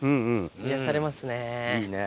癒やされますね。